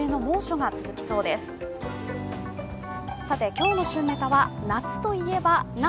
今日の旬ネタは夏といえばな